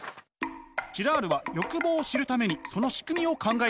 ジラールは欲望を知るためにその仕組みを考えました。